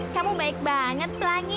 kamu baik banget pelangi